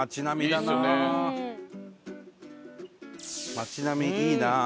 町並みいいな。